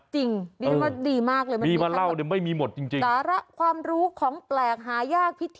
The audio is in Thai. จริงเรียกมาดีมากเลย